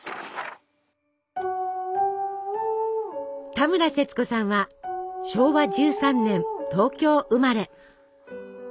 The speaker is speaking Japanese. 田村セツコさんは昭和１３年東京生まれ。